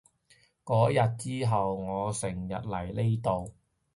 嗰日之後，我成日嚟呢度